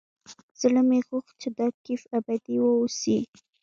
زړه مې غوښت چې دا کيف ابدي واوسي.